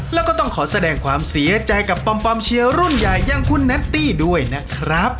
แล้วก็ต้องขอแสดงความเสียใจกับปอมเชียร์รุ่นใหญ่อย่างคุณแนตตี้ด้วยนะครับ